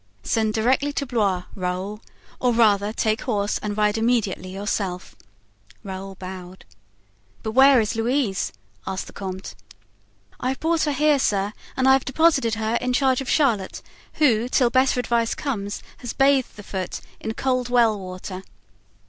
"Send directly to Blois, Raoul; or, rather, take horse and ride immediately yourself." Raoul bowed. "But where is Louise?" asked the comte. "I have brought her here, sir, and I have deposited her in charge of Charlotte, who, till better advice comes, has bathed the foot in cold well water."